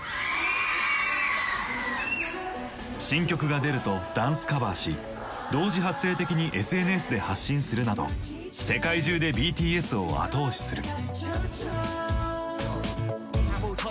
新曲が出るとダンスカバーし同時発生的にＳＮＳで発信するなど世界中でＢＴＳを後押しする。